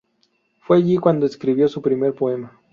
Fue allí cuando escribió su primer poema.